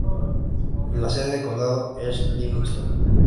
La sede de condado es Livingston.